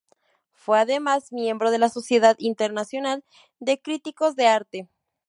Fue además miembro de la Sociedad Internacional de Críticos de Arte.